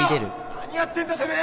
何やってんだてめえ！